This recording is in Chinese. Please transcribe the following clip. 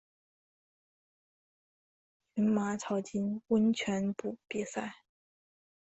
群马草津温泉部比赛。